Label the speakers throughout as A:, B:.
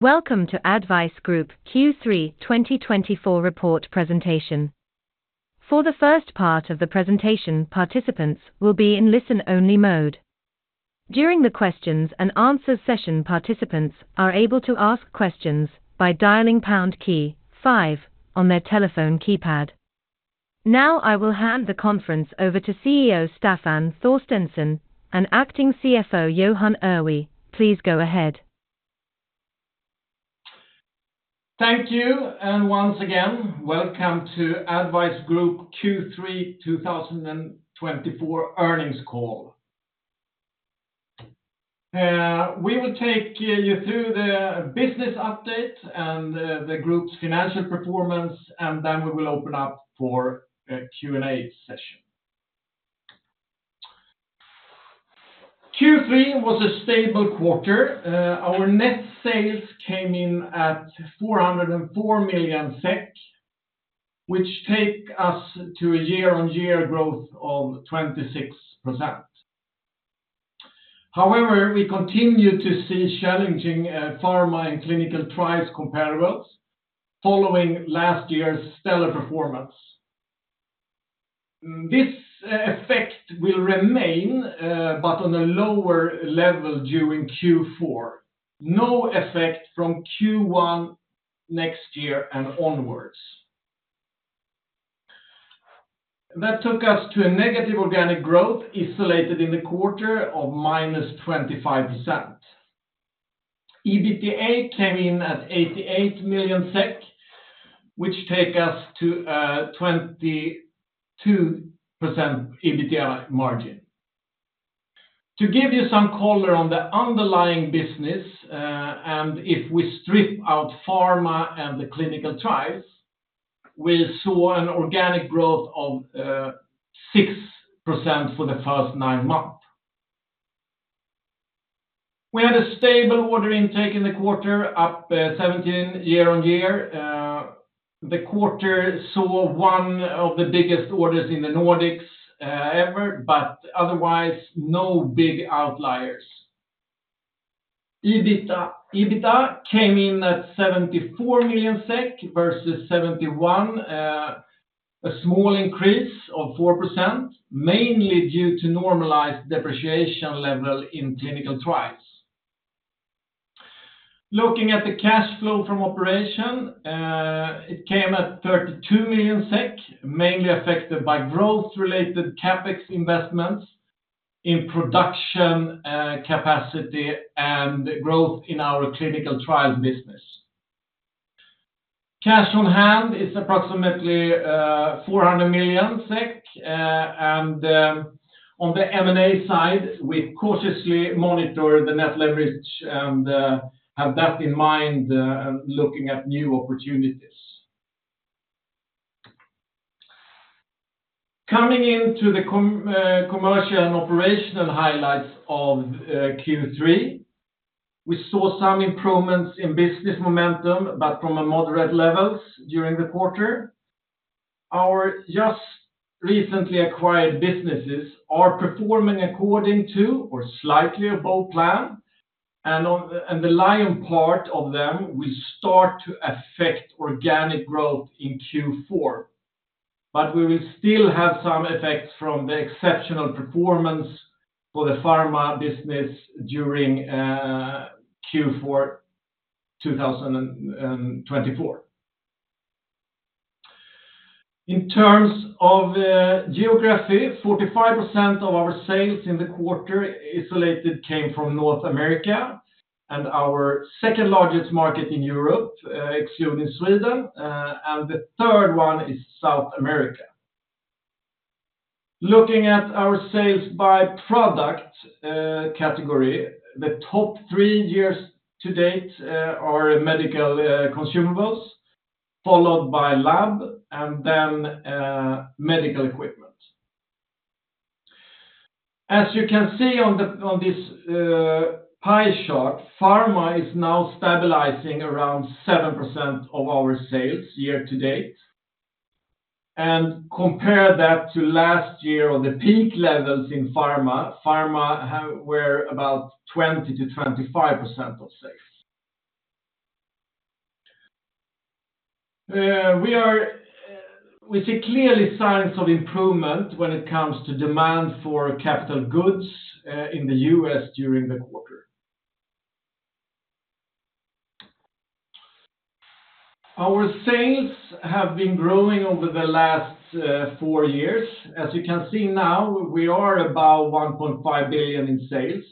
A: Welcome to ADDvise Group Q3 2024 report presentation. For the first part of the presentation, participants will be in listen-only mode. During the questions and answers session, participants are able to ask questions by dialing pound key five on their telephone keypad. Now, I will hand the conference over to CEO Staffan Torstensson, and Acting CFO Johan Irwe, please go ahead.
B: Thank you, and once again, welcome to ADDvise Group Q3 2024 earnings call. We will take you through the business update and the group's financial performance, and then we will open up for a Q&A session. Q3 was a stable quarter. Our net sales came in at 404 million SEK, which take us to a year-on-year growth of 26%. However, we continue to see challenging pharma and clinical trials comparables, following last year's stellar performance. This effect will remain, but on a lower level during Q4. No effect from Q1 next year and onwards. That took us to a negative organic growth, isolated in the quarter of -25%. EBITDA came in at 88 million SEK, which take us to 22% EBITDA margin. To give you some color on the underlying business, and if we strip out pharma and the clinical trials, we saw an organic growth of 6% for the first nine months. We had a stable order intake in the quarter, up 17% year on year. The quarter saw one of the biggest orders in the Nordics ever, but otherwise, no big outliers. EBITDA came in at 74 million SEK versus 71, a small increase of 4%, mainly due to normalized depreciation level in clinical trials. Looking at the cash flow from operation, it came at 32 million SEK, mainly affected by growth-related CapEx investments in production capacity, and growth in our clinical trials business. Cash on hand is approximately 400 million SEK, and on the M&A side, we cautiously monitor the net leverage and have that in mind looking at new opportunities. Commercial and operational highlights of Q3, we saw some improvements in business momentum, but from a moderate levels during the quarter. Our just recently acquired businesses are performing according to, or slightly above plan, and the lion part of them will start to affect organic growth in Q4. But we will still have some effects from the exceptional performance for the pharma business during Q4 2024. In terms of geography, 45% of our sales in the quarter isolated came from North America, and our second largest market in Europe excluding Sweden, and the third one is South America. Looking at our sales by product category, the top three years to date are medical consumables, followed by lab, and then medical equipment. As you can see on this pie chart, pharma is now stabilizing around 7% of our sales year-to-date. And compare that to last year on the peak levels in pharma; pharma were about 20-25% of sales. We see clearly signs of improvement when it comes to demand for capital goods in the U.S. during the quarter. Our sales have been growing over the last four years. As you can see now, we are about 1.5 billion SEK in sales,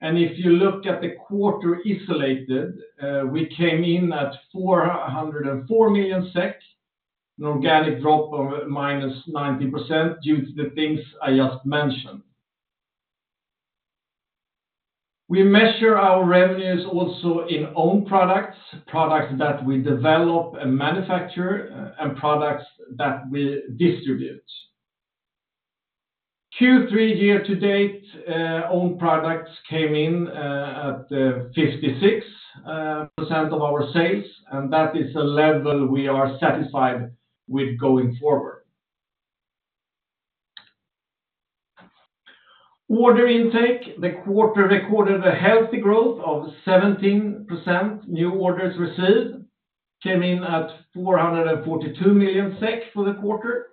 B: and if you look at the quarter isolated, we came in at 404 million SEK, an organic drop of -90% due to the things I just mentioned. We measure our revenues also in own products, products that we develop and manufacture, and products that we distribute. Q3 year-to-date, own products came in at 56% of our sales, and that is a level we are satisfied with going forward. Order intake, the quarter recorded a healthy growth of 17%. New orders received came in at 442 million SEK for the quarter.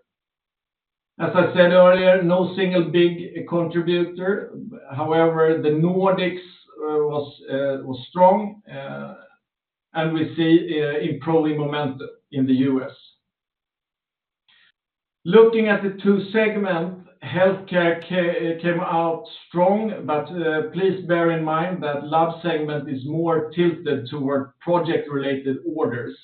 B: As I said earlier, no single big contributor. However, the Nordics was strong, and we see improving momentum in the US. Looking at the two segments, healthcare came out strong, but please bear in mind that lab segment is more tilted toward project-related orders,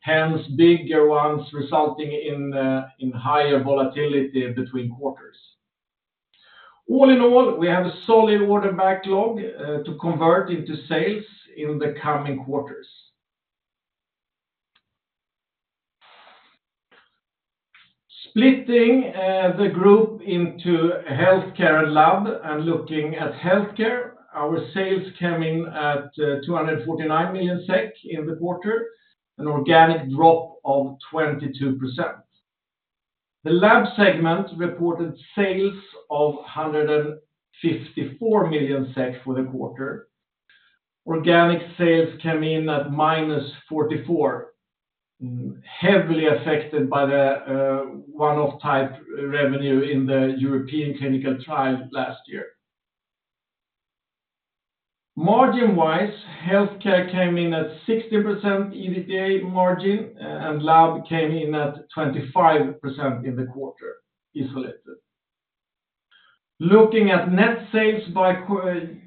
B: hence, bigger ones resulting in higher volatility between quarters. All in all, we have a solid order backlog to convert into sales in the coming quarters. Splitting the group into healthcare and lab, and looking at healthcare, our sales came in at 249 million SEK in the quarter, an organic drop of 22%. The lab segment reported sales of 154 million SEK for the quarter. Organic sales came in at -44%, heavily affected by the one-off type revenue in the European clinical trial last year. Margin-wise, healthcare came in at 60% EBITDA margin, and lab came in at 25% in the quarter, isolated. Looking at net sales by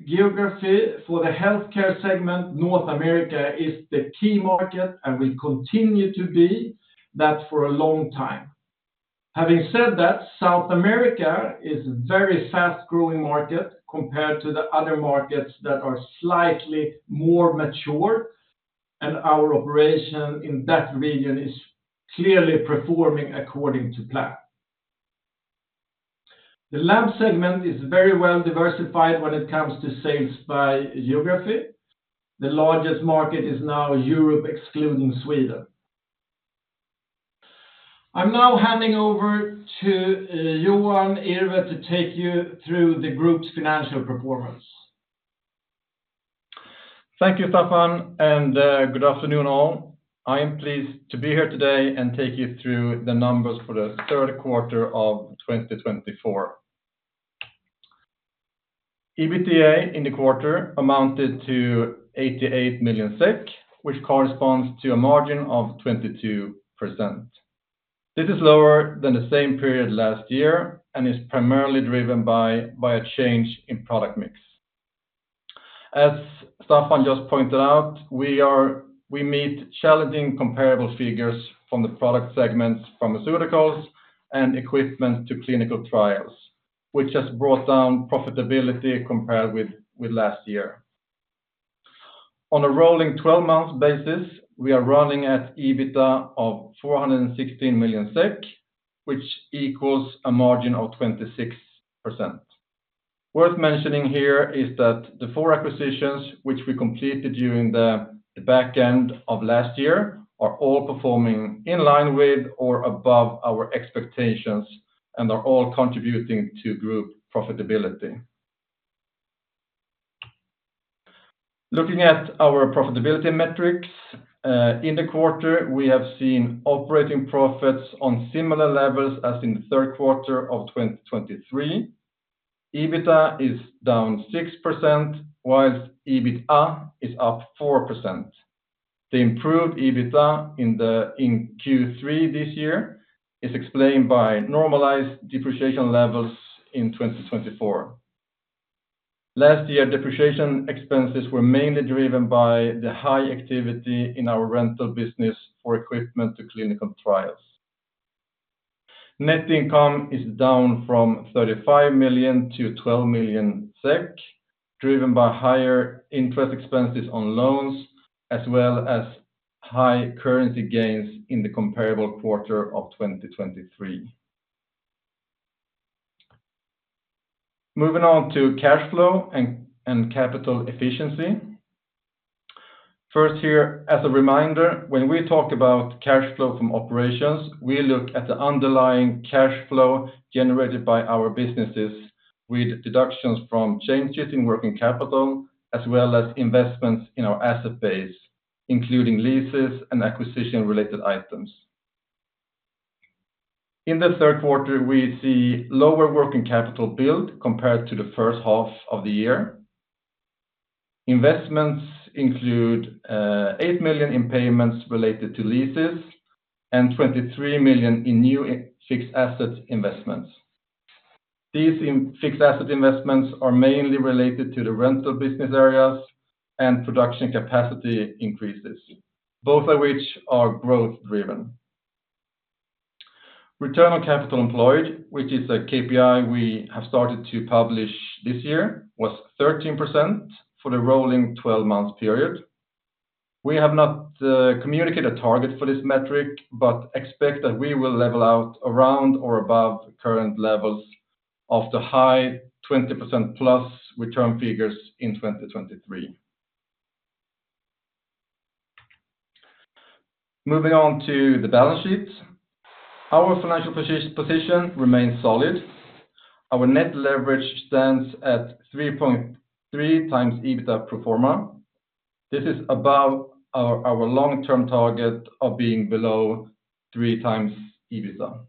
B: geography for the Healthcare segment, North America is the key market and will continue to be that for a long time. Having said that, South America is a very fast-growing market compared to the other markets that are slightly more mature, and our operation in that region is clearly performing according to plan. The Lab segment is very well diversified when it comes to sales by geography. The largest market is now Europe, excluding Sweden. I'm now handing over to Johan Irwe to take you through the group's financial performance.
C: Thank you, Staffan, and good afternoon, all. I am pleased to be here today and take you through the numbers for the third quarter of 2024. EBITDA in the quarter amounted to 88 million SEK, which corresponds to a margin of 22%. This is lower than the same period last year, and is primarily driven by a change in product mix. As Staffan just pointed out, we meet challenging comparable figures from the product segments, pharmaceuticals, and equipment to clinical trials, which has brought down profitability compared with last year. On a rolling 12-month basis, we are running at EBITDA of 416 million SEK, which equals a margin of 26%. Worth mentioning here is that the four acquisitions, which we completed during the back end of last year, are all performing in line with or above our expectations and are all contributing to group profitability. Looking at our profitability metrics, in the quarter, we have seen operating profits on similar levels as in the third quarter of 2023. EBITDA is down 6%, while EBITA is up 4%. The improved EBITA in Q3 this year is explained by normalized depreciation levels in 2024. Last year, depreciation expenses were mainly driven by the high activity in our rental business for equipment to clinical trials. Net income is down from 35 million to 12 million SEK, driven by higher interest expenses on loans, as well as high currency gains in the comparable quarter of 2023. Moving on to cash flow and capital efficiency. First here, as a reminder, when we talk about cash flow from operations, we look at the underlying cash flow generated by our businesses with deductions from changes in working capital, as well as investments in our asset base, including leases and acquisition-related items. In the third quarter, we see lower working capital build compared to the first half of the year. Investments include 8 million in payments related to leases and 23 million in new fixed asset investments. These fixed asset investments are mainly related to the rental business areas and production capacity increases, both of which are growth driven. Return on capital employed, which is a KPI we have started to publish this year, was 13% for the rolling 12-month period. We have not communicated a target for this metric, but expect that we will level out around or above current levels of the high 20%+ return figures in 2023. Moving on to the balance sheet. Our financial position remains solid. Our net leverage stands at 3.3 times EBITDA pro forma. This is above our long-term target of being below three times EBITDA.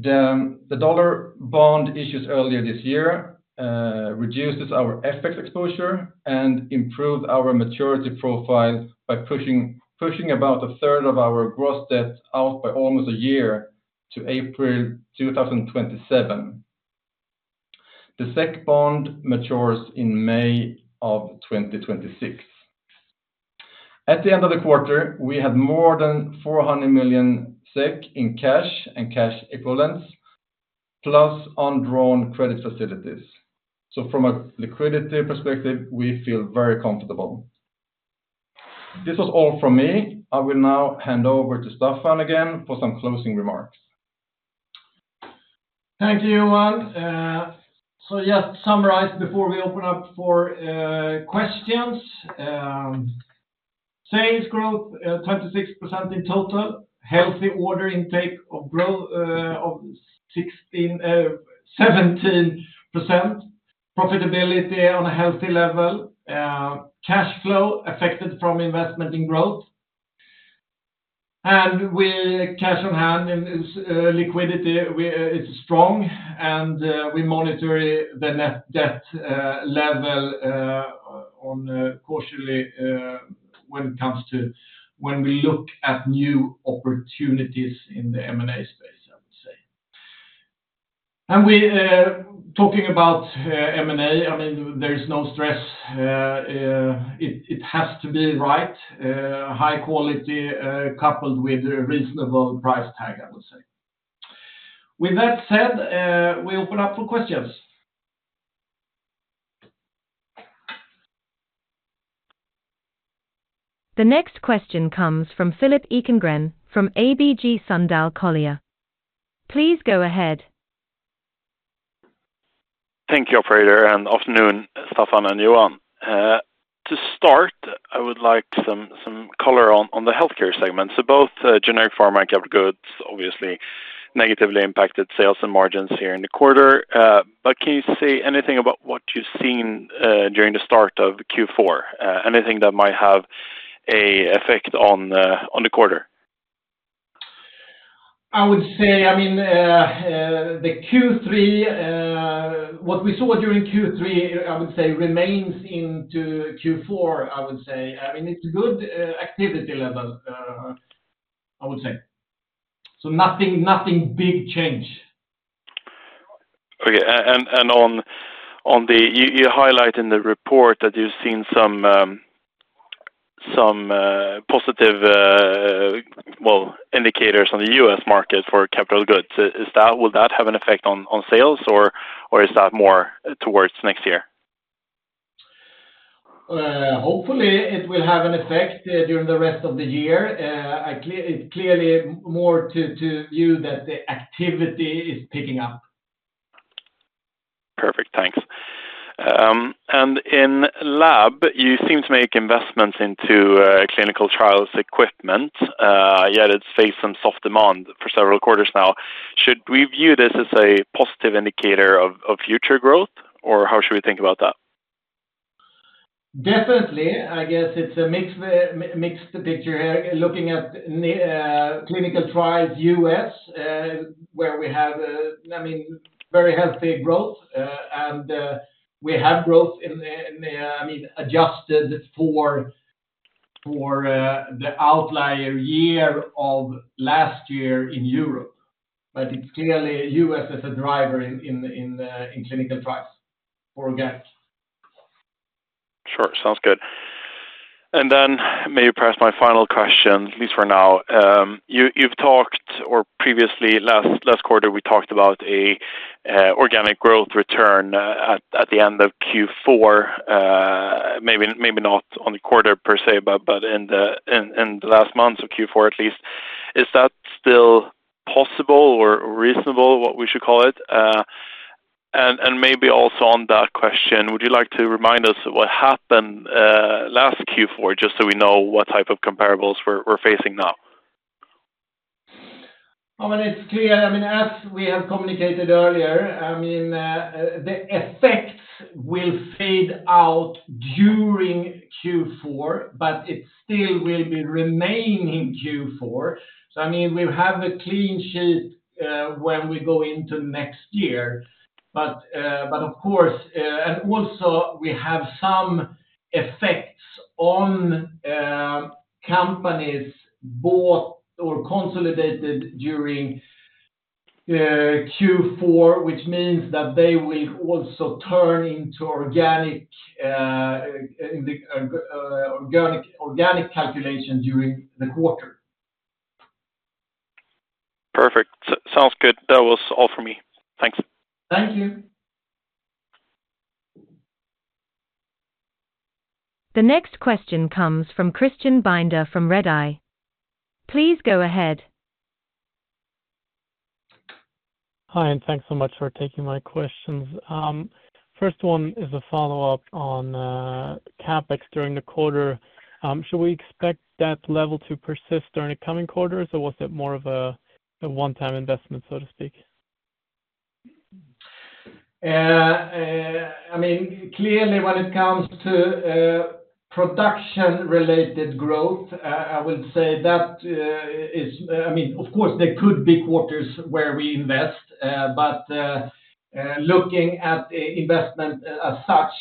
C: The dollar bond issues earlier this year reduces our FX exposure and improve our maturity profile by pushing about a third of our gross debt out by almost a year to April 2027. The SEK bond matures in May 2026. At the end of the quarter, we had more than 400 million SEK in cash and cash equivalents, plus undrawn credit facilities. So from a liquidity perspective, we feel very comfortable. This was all from me. I will now hand over to Staffan again for some closing remarks.
B: Thank you, Johan. So just to summarize before we open up for questions. Sales growth 26% in total, healthy order intake growth of 17%, profitability on a healthy level, cash flow affected from investment in growth. Cash on hand and its liquidity, it's strong, and we monitor the net debt level cautiously when we look at new opportunities in the M&A space, I would say. And, talking about M&A, I mean, there is no stress, it has to be right, high quality coupled with a reasonable price tag, I would say. With that said, we open up for questions.
A: The next question comes from Philip Ekengren, from ABG Sundal Collier. Please go ahead.
D: Thank you, operator, and afternoon, Staffan and Johan. To start, I would like some color on the healthcare segment. So both generic pharma and capital goods obviously negatively impacted sales and margins here in the quarter, but can you say anything about what you've seen during the start of Q4? Anything that might have a effect on the quarter?
B: I would say, I mean, the Q3 what we saw during Q3, I would say, remains into Q4, I would say. I mean, it's good activity level, I would say. So nothing big change.
D: Okay, and you highlight in the report that you've seen some positive indicators on the US market for capital goods. Will that have an effect on sales, or is that more towards next year?
B: Hopefully, it will have an effect during the rest of the year. It's clear. It's clearly more in view that the activity is picking up.
D: Perfect. Thanks. In lab, you seem to make investments into clinical trials equipment, yet it's faced some soft demand for several quarters now. Should we view this as a positive indicator of future growth, or how should we think about that?
B: Definitely, I guess it's a mixed picture here, looking at clinical trials, U.S., where we have, I mean, very healthy growth, and we have growth in, I mean, adjusted for the outlier year of last year in Europe. But it's clearly U.S. as a driver in clinical trials for Getinge.
D: Sure. Sounds good. And then, my final question, at least for now. You've talked, or previously, last quarter, we talked about an organic growth return at the end of Q4, maybe, maybe not on the quarter per se, but in the last months of Q4, at least. Is that still possible or reasonable, what we should call it? And maybe also on that question, would you like to remind us what happened last Q4, just so we know what type of comparables we're facing now?
B: I mean, it's clear. I mean, as we have communicated earlier, I mean, the effects will fade out during Q4, but it still will be remaining Q4. So I mean, we have a clean sheet when we go into next year, but of course, and also we have some effects on companies bought or consolidated during Q4, which means that they will also turn into organic calculation during the quarter.
D: Perfect. Sounds good. That was all for me. Thanks.
B: Thank you.
A: The next question comes from Christian Binder from Redeye. Please go ahead....
E: Hi, and thanks so much for taking my questions. First one is a follow-up on CapEx during the quarter. Should we expect that level to persist during the coming quarters, or was it more of a one-time investment, so to speak?
B: I mean, clearly when it comes to production-related growth, I would say that is. I mean, of course, there could be quarters where we invest, but looking at the investment as such,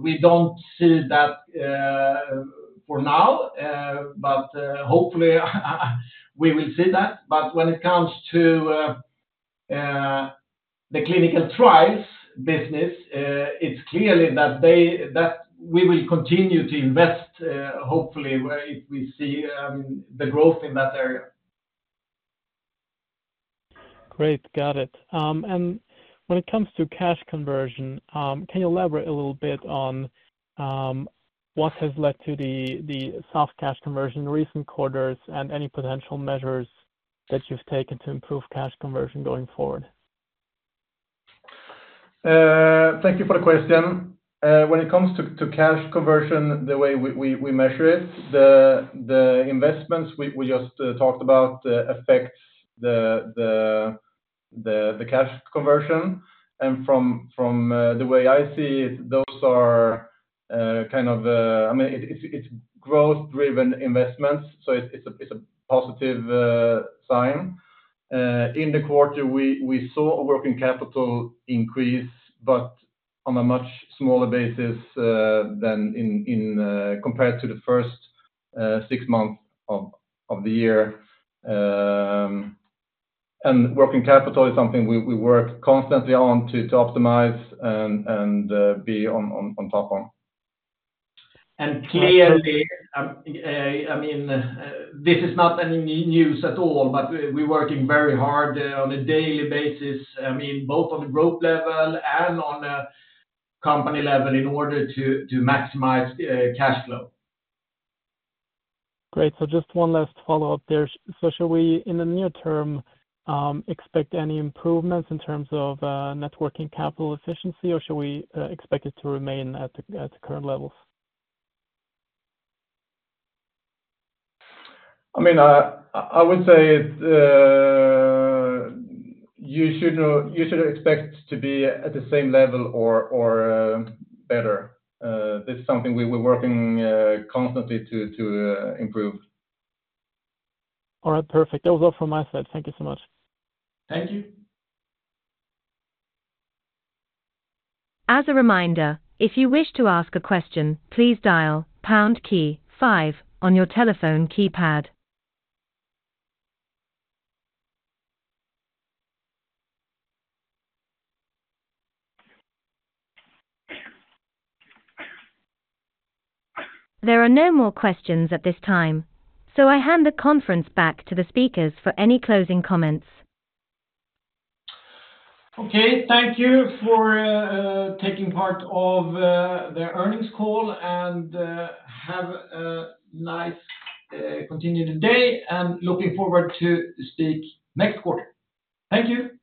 B: we don't see that for now, but hopefully, we will see that, but when it comes to the clinical trials business, it's clearly that we will continue to invest, hopefully where if we see the growth in that area.
E: Great. Got it. And when it comes to cash conversion, can you elaborate a little bit on what has led to the soft cash conversion in recent quarters and any potential measures that you've taken to improve cash conversion going forward?
C: Thank you for the question. When it comes to cash conversion, the way we measure it, the investments we just talked about affects the cash conversion. And from the way I see it, those are kind of... I mean, it's growth-driven investments, so it's a positive sign. In the quarter, we saw a working capital increase, but on a much smaller basis than compared to the first six months of the year. And working capital is something we work constantly on to optimize and be on top of.
B: Clearly, I mean, this is not any news at all, but we're working very hard on a daily basis. I mean, both on the group level and on a company level, in order to maximize cash flow.
E: Great. So just one last follow-up there. So should we, in the near term, expect any improvements in terms of working capital efficiency, or should we expect it to remain at the current levels?
C: I mean, I would say, you should know, you should expect to be at the same level or better. This is something we were working constantly to improve.
E: All right. Perfect. That was all from my side. Thank you so much.
B: Thank you.
A: As a reminder, if you wish to ask a question, please dial pound key five on your telephone keypad. There are no more questions at this time, so I hand the conference back to the speakers for any closing comments.
B: Okay. Thank you for taking part of the earnings call, and have a nice continued day, and looking forward to speak next quarter. Thank you!